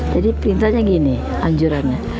jadi perintahnya gini anjurannya